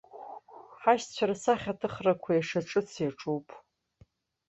Ҳашьцәа рсахьаҭыхрақәа ишырҿыц ирҿуп.